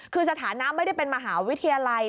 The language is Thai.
คือสถานะไม่ได้เป็นมหาวิทยาลัย